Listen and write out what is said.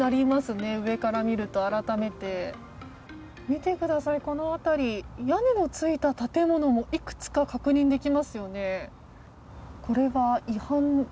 見てください、この辺り屋根の付いた建物もいくつか確認できますよね。